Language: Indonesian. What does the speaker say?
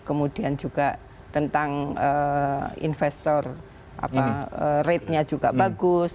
kemudian juga tentang investor rate nya juga bagus